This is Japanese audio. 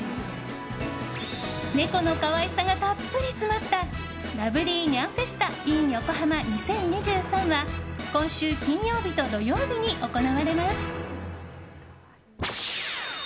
猫の可愛さがたっぷり詰まったＬｏｖｅｌｙにゃんフェスタｉｎ横浜２０２３は今週金曜日と土曜日に行われます。